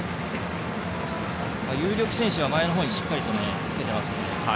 有力選手が前の方にしっかりつけていますね。